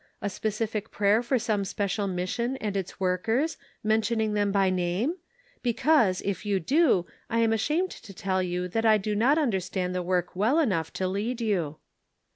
A specific prayer for some special mission and its workers, mentioning them by name ? Because, if you do, I am ashamed to tell you that I do not understand the work well enough to lead you."